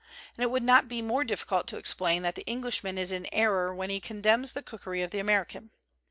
And it would not be more difficult to explain that the Englishman is in error when he condemns the cookery of the American.